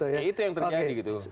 ya itu yang terjadi gitu